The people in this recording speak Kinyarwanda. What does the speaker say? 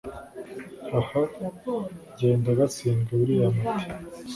haha genda gatsindwe… william ati